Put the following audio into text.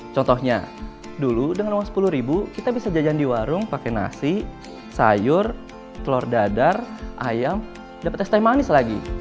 contohnya dulu dengan uang sepuluh ribu kita bisa jajan di warung pakai nasi sayur telur dadar ayam dapat es teh manis lagi